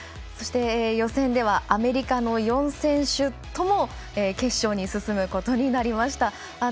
予選ではアメリカの４選手とも決勝に進むことになりました。